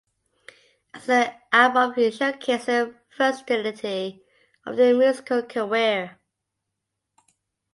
As an album it showcases versatility of their musical career.